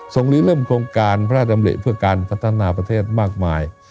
หรือเริ่มโครงการพระราชดำริเพื่อการพัฒนาประเทศมากมาย